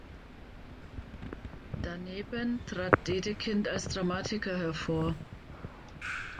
Daneben trat Dedekind als Dramatiker hervor.